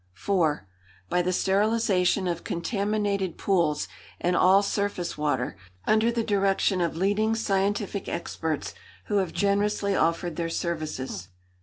"4. By the sterilisation of contaminated pools and all surface water, under the direction of leading scientific experts who have generously offered their services.